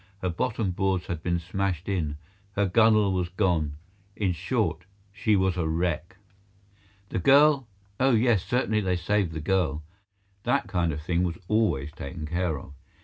Her bottom boards had been smashed in, her gunwale was gone—in short, she was a wreck. The girl? Oh, yes, certainly they saved the girl. That kind of thing was always taken care of.